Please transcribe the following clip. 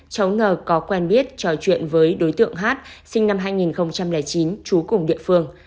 cháu ngờ có quen biết trò chuyện với đối tượng hát sinh năm hai nghìn chín trú cùng địa phương